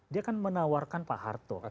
dia kan menawarkan pak harto